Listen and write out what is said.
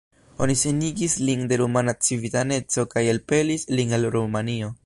Oni senigis lin de rumana civitaneco kaj elpelis lin el Rumanio.